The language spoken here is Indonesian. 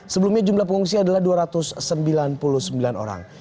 sebelumnya jumlah pengungsi adalah dua ratus sembilan puluh sembilan orang